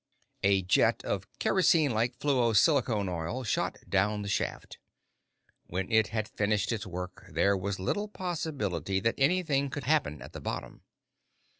A jet of kerosene like fluosilicone oil shot down the shaft. When it had finished its work, there was little possibility that anything could happen at the bottom.